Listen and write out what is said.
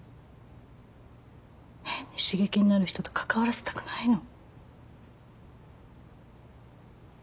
変に刺激になる人と関わらせたくないの。